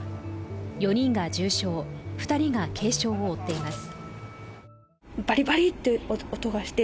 ４人が重傷、２人が軽傷を負っています。